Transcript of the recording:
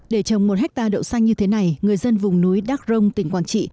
để trồng một hectare đậu xanh như thế này người dân vùng núi đắc rông tỉnh quảng trị